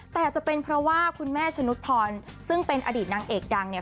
แต่จะเป็นเพราะว่าคุณแม่ชนุษพรซึ่งเป็นอดีตนางเอกดังเนี่ย